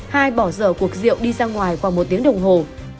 hai bỏ dở cuộc rượu đi ra ngoài qua một tiếng đồng hồ